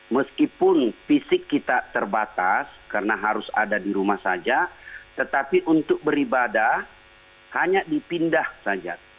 meskipun fisik kita terbatas karena harus ada di rumah saja tetapi untuk beribadah hanya dipindah saja